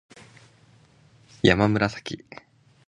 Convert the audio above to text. やまむらさき